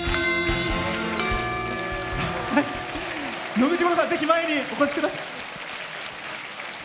野口五郎さん、ぜひ前にお越しください。